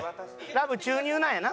「ラブ注入なんやな」？